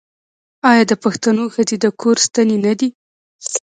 آیا د پښتنو ښځې د کور ستنې نه دي؟